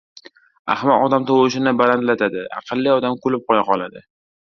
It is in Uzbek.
Ahmoq odam tovushini balandlatadi, aqlli kulib qoʻya qoladi.